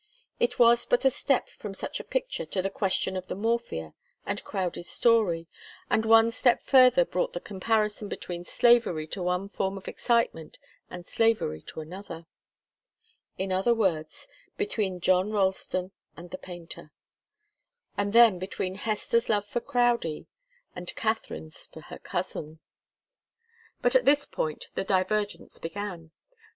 It was but a step from such a picture to the question of the morphia and Crowdie's story, and one step further brought the comparison between slavery to one form of excitement and slavery to another; in other words, between John Ralston and the painter, and then between Hester's love for Crowdie and Katharine's for her cousin. But at this point the divergence began.